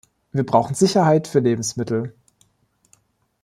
Wir brauchen Sicherheit für Lebensmittel.